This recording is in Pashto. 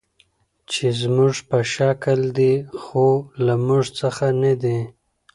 چې زموږ په شکل دي، خو له موږ څخه نه دي.